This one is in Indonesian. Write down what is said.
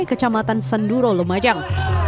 kecamatan senduro lumajang